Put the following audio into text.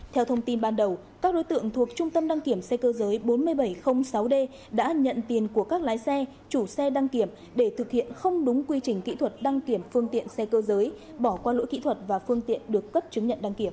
theo thông tin ban đầu các đối tượng thuộc trung tâm đăng kiểm xe cơ giới bốn nghìn bảy trăm linh sáu d đã nhận tiền của các lái xe chủ xe đăng kiểm để thực hiện không đúng quy trình kỹ thuật đăng kiểm phương tiện xe cơ giới bỏ qua lỗi kỹ thuật và phương tiện được cấp chứng nhận đăng kiểm